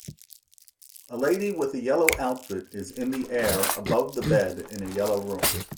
A lady with a yellow outfit is in the air above the bed in a yellow room.